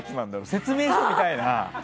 説明書、見たいな。